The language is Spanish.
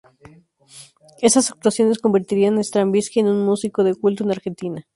Esas actuaciones convertirían a Stravinsky en un músico de culto en Argentina.